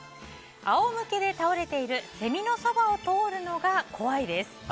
仰向けで倒れているセミのそばを通るのが怖いです。